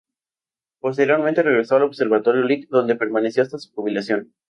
Posteriormente regresó al Observatorio Lick, donde permaneció hasta su jubilación.